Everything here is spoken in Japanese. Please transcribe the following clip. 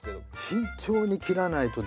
慎重に切らないとですね